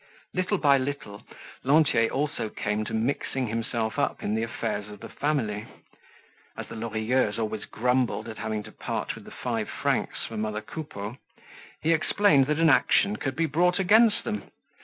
Little by little Lantier also came to mixing himself up in the affairs of the family. As the Lorilleuxs always grumbled at having to part with the five francs for mother Coupeau, he explained that an action could be brought against them.